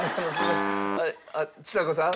あっちさ子さん。